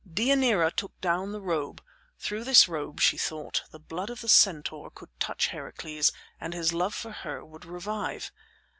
Deianira took down the robe; through this robe, she thought, the blood of the centaur could touch Heracles and his love for her would revive.